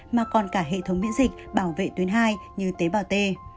mà còn cả hệ thống miễn dịch bảo vệ tuyến hai như tế bào t